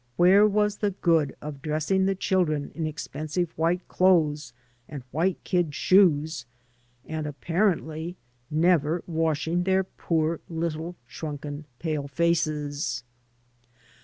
Where was the good of dressing the chil dren in expensive white clothes and white kid shoes and, apparently, never washing their poor little shrunken pale faces?